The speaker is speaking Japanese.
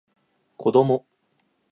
子供